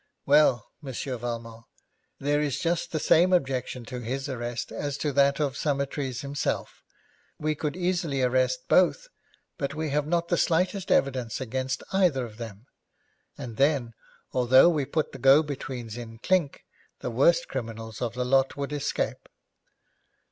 'Well, Monsieur Valmont, there is just the same objection to his arrest as to that of Summertrees himself. We could easily arrest both, but we have not the slightest evidence against either of them, and then, although we put the go betweens in clink, the worst criminals of the lot would escape.'